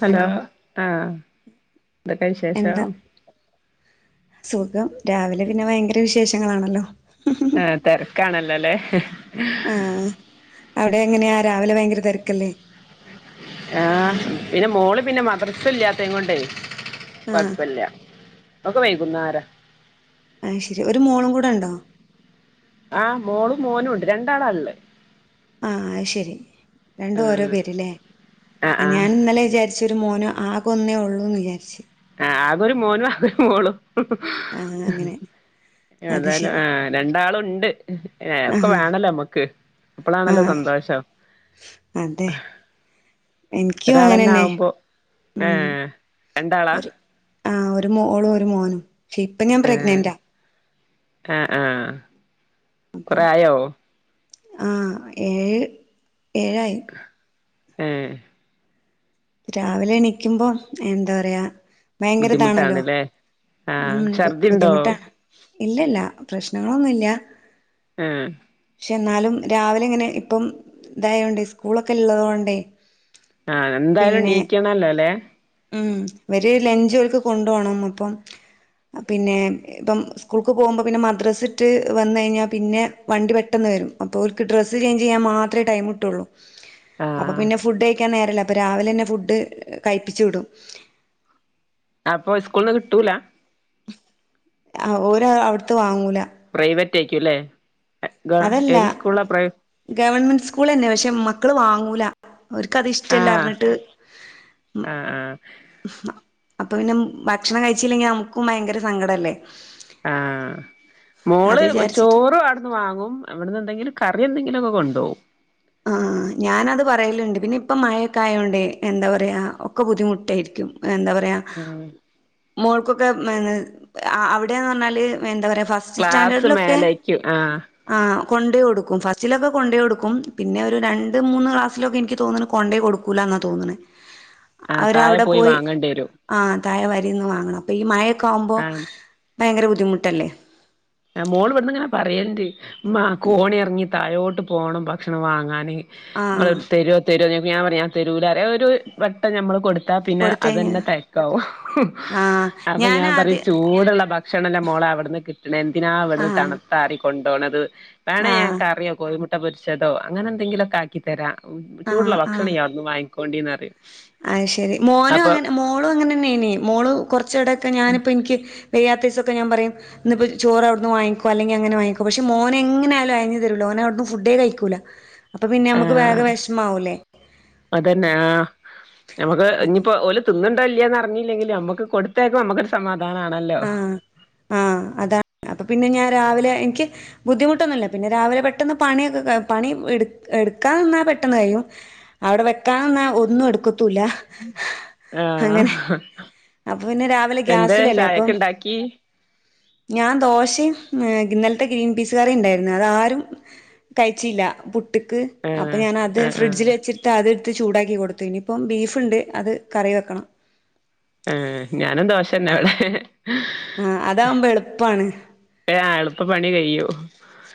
Hello ആ. എന്താ സുഖം രാവിലെ പിന്നെ ഭയങ്കര വിശേഷങ്ങളാണല്ലോ. ആ തിരക്കാണല്ലോല്ലേ? ആ അവിടെ എങ്ങനെയാ രാവിലെ ഭയങ്കര തെരക്കല്ലേ? ആഹ് പിന്നെ മോള് പിന്നെ മദർസ ഇല്ലാത്ത കൊണ്ടേ ആഹ് കൊഴപ്പല്ല ഒക് വൈകുന്നാരഅ. ആ ശരി ഒരു മോളും കൂടെ ഇണ്ടോ? ആ മോളും മോനും ണ്ട് രണ്ടാളാള്ളേ. ആ അത്ശരി രണ്ടും ഓരോ ആഹ് പേരില്ലേ ആഹ് ആഹ് ഞാൻ ഇന്നലെ വിചാരിച്ച- ച്ച ഒരു മോനോ ആകൊന്നേ ഉള്ളൂ എന്ന് വിചാരിച്ചച്ച്. ആകൊരു മോനും ആകൊരു മോളും. ആഹ് അങ്ങനെ അത് ഏതായാലും ശരി ആ രണ്ടാളുണ്ട് ഏ ഒക്കെ ആഹ് വേണല്ലോ നമ്മക്ക് അപ്പളാണല്ലോ ആഹ് സന്തോഷം. അതെ എനിക്കും ഒരാളെന്നെ അങ്ങനെന്നെ ആവുമ്പോ മ് ഏഹ് രണ്ടാളാ ഒരു- ആഹ് ഒരു മോളും ഒരു മോനും പക്ഷെ ഇപ്പൊ ഞാൻ പ്രഗ്നന്റാ ആ ആ കുറ ആയോ? ആ ഏഴ് ഏഴായി. എ രാവിലെ എണിക്കുമ്പോ എന്താ പറയാ. ഭയങ്കരതാണല്ലോ ബുദ്ധിമുട്ടാണ്ല്ലേ ആഹ് ഉം ഛർദിണ്ടോ ബുദ്ധിമുട്ടാ ഇല്ലല്ല. പ്രശ്നങ്ങളൊന്നുമില്ല. ആ പക്ഷെ എന്നാലും രാവിലെ ഇങ്ങനെ ഇപ്പം ഇതായുകൊണ്ട് സ്കൂളൊക്കെ ഉള്ളതുകൊണ്ടേ. ആ എന്തായാലും നീക്കണല്ലോ അല്ലേ. ഉം വര ലഞ്ച് ഓല്ക്ക് കൊണ്ട പോണം അപ്പം. പിന്നെ ഇപ്പം സ്കൂൾക്ക് പോകുമ്പോ പിന്നെ മദ്രസിട്ട് വന്ന കഴിഞ്ഞാ പിന്നെ വണ്ടി പെട്ടന്ന് - വരും അപ്പോൾക്ക് ഡ്രസ് ചെയ്ഞ്ച് ചെയ്യാൻ മാത്രമേടൈം കട്ടുകയുള്ളൂ. അപ്പൊ ആഹ് പിന്നെ ഫുഡ് കഴിക്കാൻ നേരല്ല അപ്പ രാവിലെ തന്നെ ഫുഡ് കയി - പ്പിച്ചു വിടും. അപ്പൊ സ്കൂളന്ന് കിട്ടൂല. ഓര് അവിടുത്ത് വാങ്ങൂല. പ്രൈവറ്റ് ഐക്കും ലെ? അതല്ല ഗവൺമെന്റ് സ്കൂൾ തന്നെ പക്ഷെ മക്കള് വാങ്ങൂല. അവർക്ക്ത് ഇഷ്ടല്ല ആഹ് റഞ്ഞിട്ട്. ആഹ് ആഹ് അപ്പൊ പിന്നെ ഭക്ഷണം കഴിച്ചില്ലെങ്കിൽ നമുക്കും ഭയങ്കര സങ്കടം അല്ലേ? ആ അത് മോള് വിചാരിച്ചിട്ട് ചോറും അവിടുന്ന് വാങ്ങും. അവിടെന്ന് എന്തെങ്കിലും കറി എന്തെങ്കിലും ഒക്കെ കൊണ്ടോവും. ആ ഞാനത് പറയലുണ്ട് പിന്നെ ഇപ്പ മഴക്കായോണ്ട് എന്താ പറയാ ഒക്കെ ബുദ്ധിമുട്ടായിരിക്കും. എന്താ പറയാ ഉം മോൾക്കൊക്കെ എ അവിടെന്ന് റഞ്ഞാല് എന്താ പറയാ. ഫസ്റ്റ് ക്ലാസ് സ്റ്റാൻഡേർഡിലൊക്കെ മേലേക്ക് ആഹ് കൊണ്ടെ കൊടുക്കും ഫസ്റ്റിലൊക്കെ കൊണ്ടെ കൊടുക്കും. പിന്നെ ഒരു രണ്ട് മൂന്ന് ക്ലാസ്സിലൊക്കെ എനിക്ക് തോന്നുന്നത് കൊണ്ടേ കൊടുക്കൂല എന്നാണ് തോന്നണുന്നത്. ആഹ് താഴെ അവരവിടെ പോയി വാങ്ങേണ്ടി വരും ആ- മുത്തായ വരിന്ന് വാങ്ങണം അപ്പൊ ഈ മഴൊക്കെ ആവുമ്പോ ആഹ് ഭയങ്കര ബുദ്ധിമുട്ടല്ലേ. മോൾ വിടന്ന് ഇങ്ങനെ പറയണ്ട് ഉ കോണി ഇറങ്ങി തയോട്ട് പോണം ഭക്ഷണം വാങ്ങാാന്. നിങ്ങ ആഹ് തരോതരോഞാൻ പറയാ ഞാൻ പറയു തെരുൂലേ ഒരു വട്ടം നമ്മള് കൊടു- പിന്നെ കൊടുത്തഴിഞ്ഞ അത്ന്നെ തെക്കാവും ആഹ് അപ്പൊ ഞാൻ പറയും ഞാനാദ്യ ചൂടുള്ള ഭ- ഭക്ഷണമല്ല മോള അവിടു നിന്ന് കിട്ടണ എന്തിനാാണ് അവിടുന്ന് ആഹ് തണുത്തറി കൊണ്ടണത്. വേണ ഞനൻ ആഹ് കറിയോ കോഴിമുട്ട പൊരിച്ചതോ അങ്ങനെ എന്തെങ്കിലുമൊക്കെ ആക്കിത്തരാം ഉ ചൂടുള്ള ഭക്ഷണം വിടുന്ന് വാങ്ങിക്കോണ്ടിന്ന് അറി അഹ ശെരി മോനും അങ്ങനെ മോളും അങ്ങനെ തന്നെ ഇന മോളും കൊറച്ചടൊക്കെ ഞാനിപ്പോ എനിക്ക്. വ്യാത്ത ദിവസൊക്കെ ഞൻ പറയും ഇപ്പോ ചോ അവിടുന്ന് വാങ്ങോ അല്ലെങ്ക അങ്ങനെ വാങ്ങിക്കോ പക്ഷ മോന് ' എങ്ങന ആാലും അയഞ്ഞു തരൂല അ അവിടന്ന് ഫുഡേ കഴിക്കൂല അപ്പൊ പിന്നെ നമ്മുക്ക് വേഗ ആഹ് വിഷമാവൂലേ. അതന്നെ ആഹ് നമുക്ക് ഇനിയിപ്പോൊഓല തിന്നുണ്ടോ ഇല്ലന്ന് അറിഞ്ഞില്ലെങ്കിൽ നമ്മുക്ക് കൊടുത്തേക്കും നമ്മുക്ക ഒരു സമാധാനം. ആഹ് ആഹ് അതാണ് അപ്പൊ പിന്നെ ഞാൻ രാവിലെ- എനിക്ക് ബുദ്ധിമുട്ടൊന്നുമില്ല പിന്നെ രാവിലെ പെട്ടെന്ന് പണിയൊക്കെ പണി എടു എടുക്കാനിന്നാൽ പെട്ടെന്ന് കഴിയും. അവിടെ വെക്കാ തന്നാൽ ഒന്നും എടുക്ക- ക്കൂല, അങ്ങനെ, ആഹ് അപ്പൊ, പിന്നെ, രാവിലെ, ഗ്യാസിലല്ലേ അപ്പം ണ്ടാക്കി ഞാൻ, ദോശയും, ഇന്നലത്തെ, ഗ്രീൻ പീസ്, കറി ണ്ടായിരുന്നു, അതാരും കഴിച്ചില്ല, പുട്ട്ക്ക്, അപ്പൊ, ആഹ് ഞാനത്, ആഹ് ആഹ് ഫ്രിഡ്ജിൽ, വെച്ചിട്ട്, അത് ത്ത് ചൂടാക്കി, കൊടുത്തു, ഇനിപ്പ, ബീഫുണ്ട്, അത് കറി, വെക്കണം. ആ, ഞാനും, ദോഷന്നെ വിടെ ആ, അതാവുമ്പോ, എളുപ്പാണ്. എളുപ്പ പണി, കയ്യു,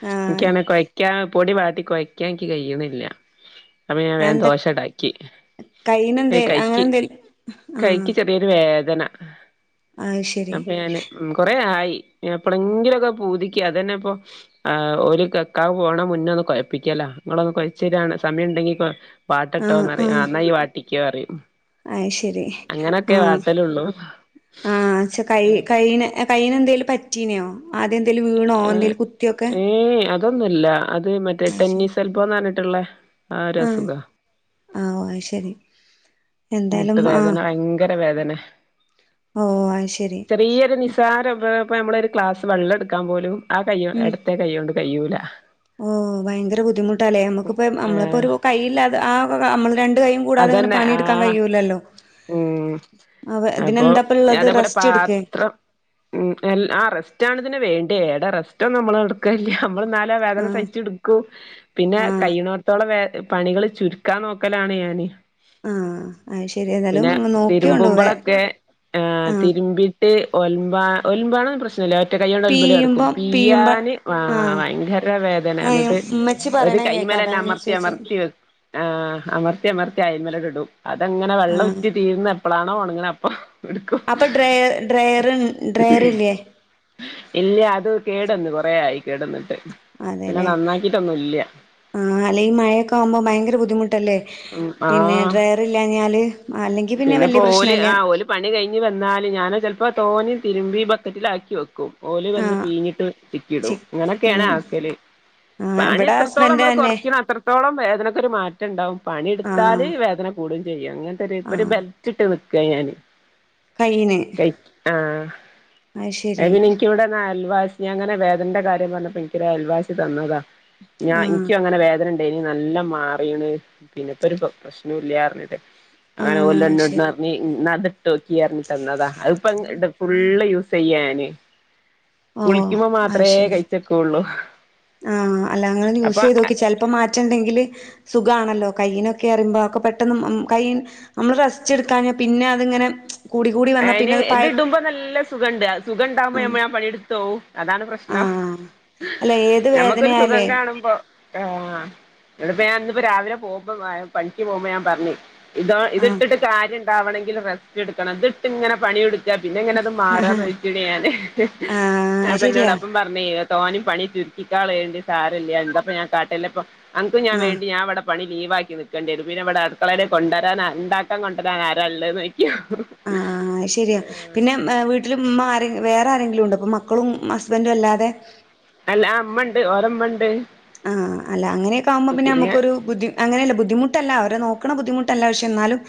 ആ ൻക്കാണെ, കൊയ്ക്ക, പൊടി വാട്ടി കൊയ്ക്കാ, ൻക്ക്, കയ്യണില്ല. അപ്പ, ഞാൻ, വേൻ, എന്താ ദോശ ണ്ടാക്കി, കൈയിനെന്തേ അങ്ങനെ കൈക്ക്, എന്തേലും ആ കൈക്ക്, ചെറിയൊരു, വേദ ദന, അത് ശരി അപ്പൊ, ഞാന്, ഉം, കൊറെ യായി പ്പലെങ്കിലൊക്കെ, പൂതിക്ക്, അതെന്നെപ്പോ, എ, ഒരു, കക്കാൻ പോണ, മുന്നൊന്ന്, കൊയപ്പിക്കലാ കൊയ്ച്ചരാണ്, സമയണ്ടെങ്കി, ക്, വാട്ടട്ടോന്നറിയും, ആ, ന്നായ്, വാട്ടിക്കോറിയും. അത് അങ്ങനെയൊക്കെ, വാട്ടലൊഉള്ളു. ആഹ, ച്ച, കൈ, കയ്, കൈയിനെന്തേലും, പറ്റീനോ, ആദ്യ വീണോ, ഏഹ് എന്തേലും, കുത്തിയൊക്കെ ഏയ് അതൊന്നുല്ല, അത്, മറ്റേ അത് ശരി ടെന്നീസെൽബോന്നറിഞ്ഞിട്ടുള്ള, ആ, ഒരസുഖ. ആ, ഒ, അശരി. മുട്ടുവേദന, യങ്കര, വേദനെ ഓ അത് ശരി ചെറിയൊരു, നിസാര പ്പൊ, നമ്മളൊരു, ക്ലാസ്സ്‌, വെള്ളട്ക്കാൻപോലും, ആ, കൈയ്യോ, എ, ഉം എടത്തെ, കയ്യോണ്ട്, കയ്യൂല. ഓ, ഭയങ്കര, ബുദ്ധിമുട്ടാല്ലേ, നമ്മുക്കിപ്പ, നമ്മളിപ്പോ, ഏഹ് ഒരു, കൈയില്ലാത, ആ, നമ്മള്, ര ണ്ട് കൈയും, കൂടാതെ, അതന്നെ പണി, ആഹ് ഇട്ക്കാൻകയ്യൂല്ലല്ലോ. ഉം, അപ്പൊ, ഉള്ളത് അതേപോലെ, റെസ്റ്റ് എടുക്കേ പാത്രം ഉം, എൽ, ആ, റെസ്റ്റാണ്ത്ന്, വേണ്ടേ, ഏടെ, റെസ്റ്റൊന്നും, മ്മള് എടക്കെലില്ല. മ്മള്, ന്നാലും, ആ, വേദന, ആഹ് സഹിച്ചിട്ക്കും, പിന്നെ, ആഹ് കയ്യ്ണോട്ത്തോളം, വേ പണികള്, ചുരുക്കാൻ, നോക്കലാണ്, ഞാന് ആഹ് അത് ശരി ഏതായാലും പിന്നെ, നോക്കിയോണ്ടു വേ തിരുമ്പുമ്പളൊക്കെ, ഏ, ആഹ് തിരുമ്പി ട്ട്, ഒൽമ്പാ, ഒൽമ്പാനൊന്നും, പ്രശ്നല്ലാ റ്റ കയ്യോണ്ട്, ഒൽമ്പല്ടക്കും, പീയുമ്പം പീയുമ്പ പിയ്യാന്, വ, ആഹ് വയ്യെങ്കര, ഏഹ് വേദനേണ്ത്, ഉമ്മച്ചി ഒര്, പറയണ കൈമ്മെ കേക്കാ അതാ ലെന്നെ, ഞാൻ അമർത്തി, ചോദിച്ചേ അമർത്തിവെക്, ഏ അമർത്തി, അമർത്തി, അയ്മലണ്ട് ഇടും, അതങ്ങനെ, വെള്ളം ആഹ് ഉറ്റി, തീർന്ന്, എപ്പളാണോണങ്ങനെ, അപ്പൊ എടുക്കും അപ്പൊ, ഡ്ര, ഡ്രയർ, ഡ്രയറില്ലയേ ഇല്ല, അത് കേടന്ന്, കൊറെ ആയി, കേടന്നിട്ട്, പിന്നെ, നന്നാക്കിട്ടൊന്നുംല്ല ആഹ, അല്ലെ, മഴൊക്കെ, ആവുമ്പോ, ഭയങ്കര, ബുദ്ധിമുട്ടല്ലേ. ഉം പിന്നെ, ആഹ് ഡ്രൈയർ ഇഞ്ഞാല്, അല്ലെങ്കി, പിന്നെ, പിന്നെപ്പോ വല്യ ഓല് പ്രശ്നല്ല ആ ഓല് പണി കഴിഞ്ഞ് വന്നാല് ഞാന്, ചെലപ്പോ, തൊനേം, തിരിമ്പി, ബക്കറ്റിലാക്കി, വെക്കും ഓല്, വന്ന്, ആഹ് പീഞ്ഞിട്ട്, തിക്കി ഇടും, ചി ങ്ങനെക്കേണ്, ഉം ആക്കല്. ആഹ് പണി, ഇവിടെ എത്രത്തോളം ഹസ്ബൻഡ് മ്മള്, തന്നെ കൊറയ്ക്കണ്, അത്രത്തോളം, വേദനക്കൊര്, മാറ്റം ണ്ടാവും. ആഹ് പണിയെടുത്താല്, വേദന, കൂടുംചെയ്യും, അങ്ങൻത്തൊരു, ഇപ്പൊ ഒരു, ആഹ് ബെൽറ്റ്ഇട്ട്, നിക്ക ഞാന് കയ്യിന് കയ്, ആ, അത് ശരി എങ്ങനെ, ൻക്കി ഞാൻങ്ങനെ, വേദനന്റെ, കാര്യം പറഞ്ഞപ്പോ, ൻക്കൊരു, അയൽവാസി, തന്നതാ, ഞാ, ആഹ് ൻക്കും, അങ്ങനെ, വേദന ണ്ടേയ്നിം, നല്ലം മാറീണ്, പിന്നെപ്പൊ, പ്പൊരു [unintelligible] അങ്ങനെ ആഹ് അത് [unintelligible] ശരി ന്നാ, ത് ട്ടോക്കി, അറഞ്, തന്നെദാ, അയ്പ്പൊ ഫുള്ള് യൂസ്, യ്യാന്, ഓഹ് കുളിക്കുമ്പോ, മാത്രെ, കയ്ഛെക്കുള്ളൂ ആ, അല്ലങ്ങളൊന്ന്, യൂസെയ്‌തോക്കി, ചെലപ്പം, മാറ്റണ്ടെങ്കില്, സു സുഖാണല്ലോ, കൈയിനൊക്കെറയുമ്പോ, പെട്ടെന്ന്, മ്, കൈ, നമ്മള്, റെസ്റ്റിഡ്ക്കാഞാ, പിന്നെ, അതിങ്ങനെ കൂടി കൂടി ഏ, വന്നാ അയ്ൻ, പിന്നെ അത് പഴ ഇതിടുമ്പോ, നല്ല സുഖണ്ട്, സുഖണ്ടാവുമ്പോ, ആഹ് നമ്മള്, നമ്മ, ആ പണിട്ത്തൊവും. അതാണ്, പ്രശ്നം, ആഹ് അല്ല ഏത് നഞമ്മക്കൊരു, സുഖം വേദനയാലേ കാണുമ്പോ ആഹ്, ഇവിടെപ്പ ഞാൻ, ന്നിപ്പോ, രാവിലെ, പോവുമ്പോ, [unintelligible] ഞാൻ, പറഞ്ഞി ഇതോ ഇത് ആഹ് ഇട്ടിട്ട് കാര്യം ഉണ്ടാവണമെങ്കിൽ റെസ്റ്റ് എടുക്കണം ഇതിട്ട്ങ്ങനെ പണിെടുക്ക പിന്നെ എങ്ങനെ അത് മാറാന്ന് ആഹ് വോദിച്ചിട്ടാണ് ആഹ് അത് അപ്പൊ എന്നോട ശരിയാ അപ്പം പറഞ്ഞ തോനും പണി ചുരുക്കിക്കാൾ വേണ്ട സാാരല്ലേ എപ്പ ഞാ കാട്ടല്ലപ്പൊ അനക്ക്ും ആഹ് ഞാൻേണ്ടി ഞാൻവിടെ പണി ലീവാക്കി നിൽക്കേണ്ടി വരുന്നു പിന്നെ ഇവിടെ അടുക്കള കൊണ്ടുവരാൻ ഉണ്ടാക്കാൻ കൊണ്ടുവരാൻ ആരാുള്ളത്ന്ന് നോക്കിയ ആ ശെരിയാ പിന്നെ വീട്ടില ഉ്മ്മ ആരെ വേറെ ആരെങ്കിലും ഉണ്ട് അപ്പൊ മക്കളും ഹസ്ബൻറും അല്ലാതെ അല്ല അമ്മ ഉണ്ട് ഓരമ്മ ഉണ്ട് ആഹ് അല്ല അങ്ങനൊ ഒെകുമ്പോ പിന്നെ നമുക്കൊരു അങ്ങനെയല്ല ബുദ്ധമുട്ടല്ല അവ നോക്ക ബുദ്ധിമുട്ട പക്ഷ എന്നാലും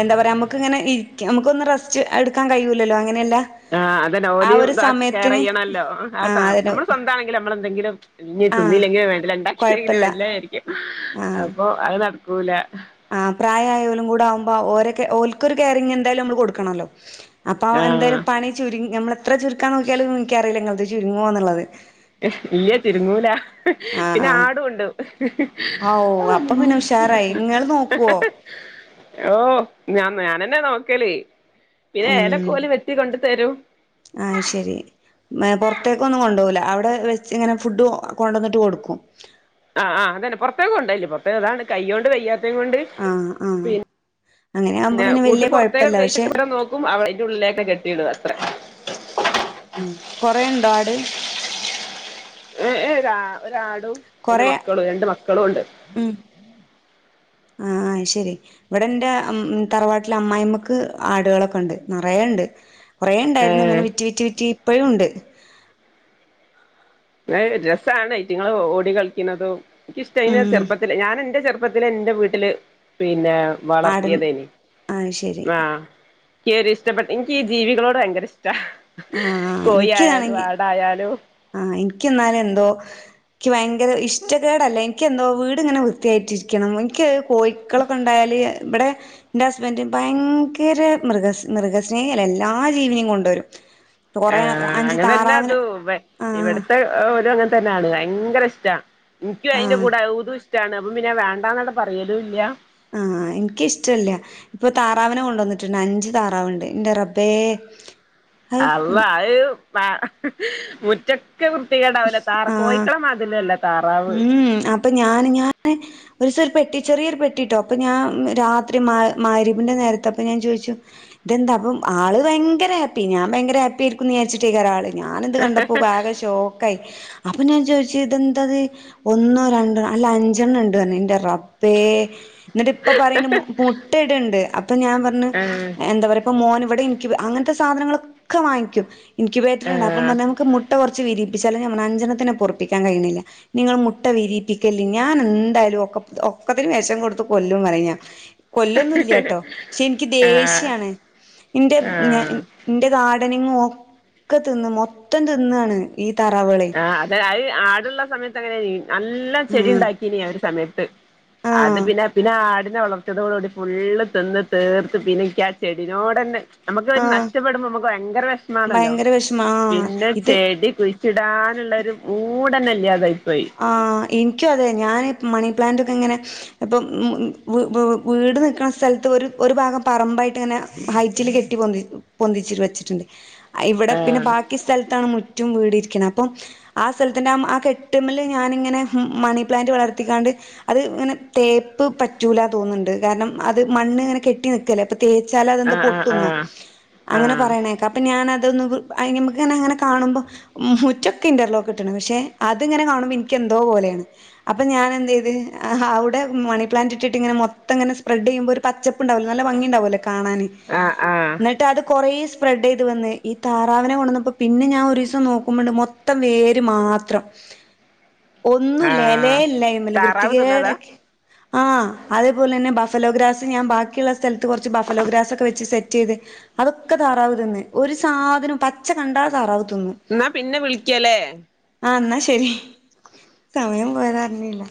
എന്താ പറ നമെ നു ററ്റ് എടുക്കാൻ കഴല്ലോ ആഹ അതന് ഓലിയും സമയത്തിന് കറ്യണല്ലോ ആ ആഹ് അതിന് നമ്മള് സ്വന്തമാ ആണെങ്കില് മ്മ എന്തെങ്കിലും ഇ ആഹ് തിുന്നിയില്ലെങ്കിലും മെണ്ട ഉണ്ടാക്കെങ്കിലും കൊഴപ്പല്ല മെഡല ആയിരിക്കും അപ്പൊ അത് കൂല ആ പ്രായമായലും കൂടെ ആവുമ്പോ ഓര ഓക്കൊരു കെയറിങ്ങ് എന്തായാലും നമ്മള് കൊടുക്കണല്ലോ അപ്പൊ എന്തായാലും ആഹ് പണി ചുരുി നമ്മള എത്ര ചുരുക്കാൻ നോക്കിയാലും മുിക്കാറയില്ല നിങ്ങത് ചുരുങ്ങുവ എന്നുള്ളത് യ്യ തിരുങ്ങൂല ആഹ് പിന്നെ ആഹ് ആടുണ്ട് ആഹ് ഓ ആ അപ്പൊ പിന്നെ ഉഷാറായി നിങ്ങൾ നോക്കുവോ ഓ ഞാൻ ഞാനെന്നെ നോക്കലേ പിന്നെ ഉം ഏലക്കൂല വെത്തി കൊൊണ്ടു തരും ആഹ് ശരി പുറത്തേക്കൊന്നും കൊണ്ടുപ പോോില്ല അവിടെ അടെ വെ ഇങ്ങനെ ഫുഡ് കൊണ്ടുവന്നിട്ട് കൊടുക്കും ആഹ് ആ്തന്നെ പുൊറത്തേക്ക ഉണ്ടായില്ലേ പുറത്തേക അതാണ് കയ്യ കൊണ്ട് കയ്യാത്തം കൊണ്ട് ആഹ് ആഹ് പിന്നെ അങ്ങനെ ആകുമ്പോ പിന്നെ കൂട്ട് വല്യ പുറത്തേക്ക കുഴപ്പല്ല പക്ഷെ കഴിച്ചിട്ട് പോരെ നോക്കും അവ അൻറെ ഉള്ളിലേക്കെ കെട്ടിയിട അത്ര ഉ കൊറെുണ്ടോ ആട് ഏഏ ഒ ഒരാടും അതിറെ കൊറേ മക്കളും രണ്ട് മക്കളും ഉണ്ട് ആഹ ശെരി ഇവിടെ എൻറെ തറവാട്ടിലെ അമ്മായിമ്മക്ക് ആടുകളൊക്കെ ഉണ്ട് നിറയ ണ്ട് കൊറെ ഉണ്ടായിരുന്നു ഇങ്ങനെ വിറ്റ ഏ വിറ്റ വിറ്റി ഇപ്പഴും ഉണ്ട് രസമാണ് റ്റിങ്ങങ്ങള് ഓട കളിക്കുന്നതും എനിിക്കിഷ്ട അ ഉം ചെറുപ്പത്തി ഞാൻ എന്റെ ചെറുപ്പം ഇപ്പത്തി എന്റെ വീട്ടില് പിന്നെ ആടൻ വളർത്തിയതേനി അത് ശരി ആഹ കയറി ഇഷ്ടപ്പെട്ട എനിക്ക്ീ ജീവികളോട് ഭയങ്കര ഇഷ്ടം കോയി ആായാലും ആടായാലും ആഹ എനക്ക് എന്നാലും എന്തോ എനിക്ക് ഭയങ്കര ഇഷ്ടകേടല്ല എനിക്ക് എന്തോ വീട്ങ്ങനെ വൃത്തിയായിട്ടിരിക്കണം എനിക്ക് കോഴക്കളൊക്കെ ഉണ്ടായാൽ ഇവിടെ എന്റെ ഹസ്ബൻഡ് ഭയങ്കര മൃഗ മൃഗസ്നേഹല്ല എല്ലാ ജീവനിയും കൊണ്ടുവരും കൊറേ ആഹ് അഞ്ച് അങ്ങനെ തന്നെ താറാവിനെ അതും ആഹ് ഇവിടത്തെ ഓരും അങ്ങനെ തന്നെയാണ് ഭയങ്കര ഇഷ്ട എനിക്കും അതിന്റെ ആഹ് കൂടെ [unintelligible] ഷ്ഠാണ് അപ്പൊ പിന്നെ വേണ്ടന്നട് പറയലും ഇല്ല ആഹ് എനിക്കിഷ്ടമല്ല ഇപ്പൊ താറാവിനെ കൊണ്ടുവന്നിട്ടുണ്ട് അഞ്ചു താറാവിനെ ൻ്റെ റബ്ബേ അത് അല്ല അത് മുറ്റ ഒക്കെ വൃത്തികേണ്ടാവല താറ ആഹ് കോഴിക്കളെ മാതിര്യല്ല താറാവ് ഒരു ഒരു പെട്ടി ചെറിയൊരു പെട്ടിട്ടോ അപ്പൊ ഞാൻ രാത്രി മാ മാരിയബിന്റെ നേരത്തെ അപ്പൊ ഞാൻ ചോദിച്ചു ഇതെന്താ അപ്പം ആള് ഭയങ്കര ഹാപ്പി ഞാൻ ഭങ്കര ഹാപ്പി ആയിരിക്കുന്നു വിചാരിച്ചിട്ടേ ആള് ഞാന് എന്ത് കണ്ടപ്പോ ആകെ ശോക്ക അപ്പൊ ഞാൻ ചോദിച്ച് ഇതെന്താത് ഒന്നോ രണ്ടോ അല്ല അഞ്ചെണ്ണം ഉണ്ട് പറ എന്റെറെ റബ്ബേ അപ്പേ എന്നിട്ട് ഇപ്പൊ പറയുന്ന മുട്ടയിട്ണ്ട് അപ്പൊ ഞാൻ പറഞ്ഞ് ആഹ് എന്താ പറയപ്പ ഫോൻ ഇവിടെ ഇൻക്യുബ അങ്ങനത്തെ സാധനങ്ങളൊക്കെ വാങ്ങിക്കും ഇൻക്യുബേറ്റർ ഉണ്ട് അപ്പം ആഹ് നമുക്ക് മുട്ട കുറച്ച് വിരിയും ിച്ചാലും ഞ അഞ്ചനത്തിനെപൊറപ്പിക്കാൻ കഴിയണില്ല നിങ്ങൾ മുട്ട വിരിയിപ്പിക്കല്ലീ ഞാൻ എന്തായാലും ഒെ ഒക്കത്തിന് വിശം കൊടുത്ത് കൊല്ലും പറഞ്ഞ് കൊല്ലൊന്നുംല്ലട്ടോ പക്ഷെ എനിക്ക് ആഹ് ദേഷ്യാണ് എന്റെ ആഹ് ൻ്റെ നാടി [unintelligible] ഒക്കെ തിന്ന് മൊത്തം തിന്നാണ് ഈ താറാവുകളെ ആഹ് അതെ അത് ആടുള്ള സമയത്ത് അങ്ങനെ നല്ല ചെടി ആഹ് ഉണ്ടാക്കീനി ആ ഒരു സമയത്ത് അത് ആഹ് പിന്നെ പിന്നെ ആട് വളർത്തിയതോട കൂടി ഫുള് തിന്ന് തീർത്ത് പിന്നേക്കാ ചെടിനോട്ന്നെ നമുക്ക് ആഹ് നഷ്ടപ്പെടുമ്പോ നമുക്ക് ഭയങ്കര വിഷമാണല്ലോ ഭയങ്കര വിഷമ ആഹ് പിന്നെ ഇത് ചെടി കുഴി ച്ചിടാനുള്ളരു മൂഡ്തന്നെല്യതായി ആ എനിക്കും അതെ ഞാൻ മണി പ്ലാന്റൊക്കെ ഇങ്ങനെ ഇപ്പം വീട് നിക്കുന്ന സ്ഥലത്ത് ഒരു ഒരു ഭാഗം പറമ്പായിട്ട് ഇങ്ങനെ ഹൈറ്റിൽ കെട്ടി പൊന്തിച്ചു വെച്ചിട്ടുണ്ട് ഇവിടെ പിന്നെ ആഹ് ബാക്കി സ്ഥലത്താണ് മുറ്റും വീടുംഇരിക്കണേ അപ്പം ആഹ് സ്ഥലത്തിന്റെ ആഹ് കെട്ട് ട്ട്മ്മൽ ഞാനിങ്ങനെ മണി പ്ലാന്റ് വളർത്തിക്കാണ്ട് അത് ഇങ്ങനെ തേപ്പ് പറ്റൂല തോന്ന്ണ്ട് കാരണം അത് മണ്ണ് ഇങ്ങനെ കെട്ടി നിക്കല്ലേ തേച്ചാൽ അതെന്താ ആഹ് ആഹ് പൊട്ടുന്നോ ആഹ് അങ്ങനെ പറയണേക്ക അപ്പൊ ഞാനത് [unintelligible] ആയിമ്മക് ഇങ്ങനെ ഇങ്ങനെ കാണുമ്പോ മുറ്റൊക്കെ ഇന്റർലോക്കിട്ടക്ക്ണ് പക്ഷെ അത്ങ്ങനെ കാണുമ്പോ എനിക്ക് എന്തോ പോലെയാണ് അപ്പൊ ഞാൻ എന്ത് ചെയ്ത് അവിടെ മണി പ്ലാന്റ് ഇട്ടിട്ട് ഇങ്ങനെ മൊത്തം മൊത്തംങ്ങനെ സ്പ്രെഡ് ചെയ്യുമ്പോ ഒരു പച്ചപ്പ് ഉണ്ടാവല്ലോ നല്ല ഭംഗി ഉണ്ടാവുമല്ലോ കാണാൻ ആഹ് ആഹ് ആഹ് എന്നിട്ട് അത് കൊറേ സ്പ്രെഡ് ചെയ്ത് വന്ന് ഈ താറാവിനെ കൊണ്ടുവന്നപ്പോൾ പിന്നെ ഞാൻ ഒരു ദിവസം നോക്കുമ്പോണ്ട് മൊത്തം വേര് മാത്രം ഒന്നുല്ല എലെ ആഹ് ഇല്ല ആയിമ്മൽ താറാവ് തിന്നതാ വൃത്തികേടാക്കി ആ അതുപോലെ തന്നെ ബഫലോഗ്രാസ് ഞാൻ ബാക്കിള്ള സ്ഥലത്ത് കുറച്ച് ബഫലോഗ്രാസ് ഒക്കെ വെച്ച് സെറ്റ് ചെയ്ത് അതൊക്കെ താറാവ് തിന്ന് ഒരു സാധനവും പച്ച കണ്ട താറാവ് തിന്നും എന്നാ പിന്നെ വിളിക്കല്ലേ ആ ഇന്നാ ശെരി ശരി സമയം പോയതറിഞ്ഞില്ല